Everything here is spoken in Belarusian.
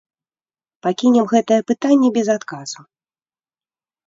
Пакінем гэтае пытанне без адказу.